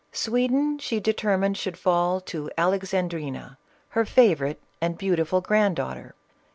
Sweden she determined should fall to Alexandrina, her favorite, and beautiful grand daughter.